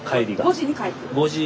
５時に帰ってくる。